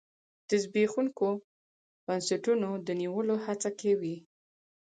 د زبېښونکو بنسټونو د نیولو هڅه کې وي.